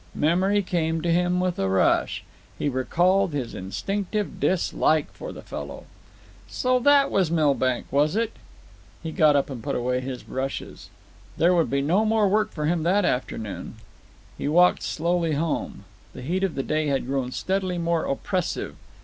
Memory came to him with a rush. He recalled his instinctive dislike for the fellow. So that was Milbank, was it? He got up and put away his brushes. There would be no more work for him that afternoon. He walked slowly home. The heat of the day had grown steadily more oppressive.